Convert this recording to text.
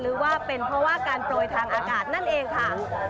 หรือว่าเป็นเพราะว่าการโปรยทางอากาศนั่นเองค่ะ